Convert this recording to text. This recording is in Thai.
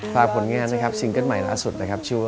ภาพผลงานนะครับซิงเกิ้ลใหม่ล่ะอันสุดนะครับ